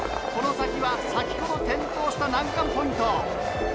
この先は先ほど転倒した難関ポイント。